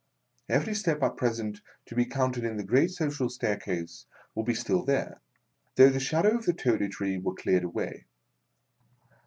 Every step at present to be counted in the great social staircase would be still there, though the shadow of the Toady Tree were cleared away.